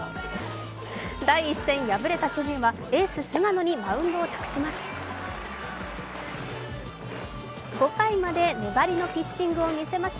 第１戦敗れた巨人はエース・菅野にマウンドを託します。